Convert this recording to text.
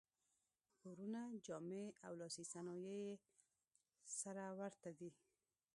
کورونه، جامې او لاسي صنایع یې سره ورته دي.